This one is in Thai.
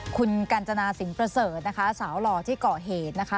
คุณกัญจนาสินประเสริฐนะคะสาวหล่อที่เกาะเหตุนะคะ